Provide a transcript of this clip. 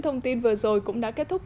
thông tin vừa rồi cũng đã kết thúc